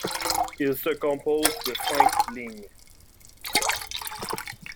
Il se compose de cinq lignes.